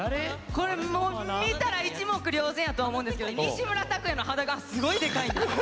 これもう見たら一目瞭然やと思うんですけど西村拓哉の鼻がすごいでかいんです。